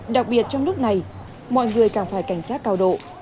đặc biệt trong lúc này mọi người càng phải cảnh giác cao độ